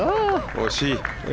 惜しい。